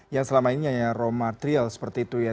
yang selama ini hanya raw material seperti itu ya